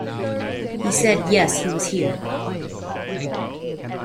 He said, yes, he was here.